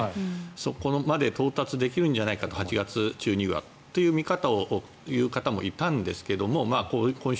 そこまで到達できるんじゃないかと８月中にはという見方をする方もいたんですが今週、